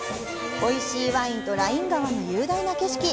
おいしいワインとライン川の雄大な景色。